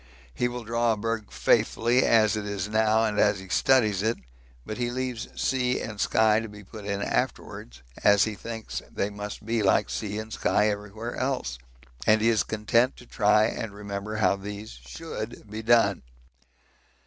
'He will draw a berg faithfully as it is now and he studies it, but he leaves sea and sky to be put in afterwards, as he thinks they must be like sea and sky everywhere else, and he is content to try and remember how these should be done.'